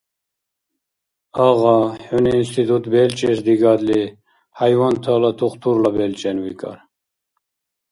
— Агъа, хӀуни институт белчӀес дигадли, хӀяйвантала тухтурла белчӀен, — викӀар.